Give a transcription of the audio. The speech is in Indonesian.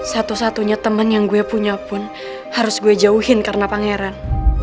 satu satunya teman yang gue punya pun harus gue jauhin karena pangeran